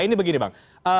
ini begini bang